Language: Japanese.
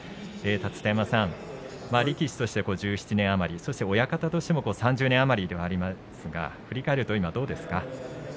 立田山さん、力士として１７年余りそして親方としても３０年余りとなりますが振り返ると今、どうですか。